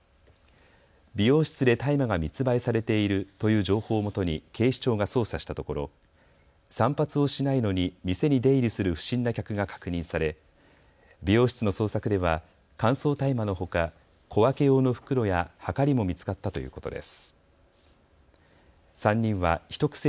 美容室で大麻が密売されているという情報をもとに警視庁が捜査したところ散髪をしないのに店に出入りする不審な客が確認され、美容室の捜索では乾燥大麻のほか小分け用の袋やはかりも見つかったということです。